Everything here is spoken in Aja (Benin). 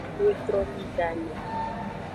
Wetrome gane.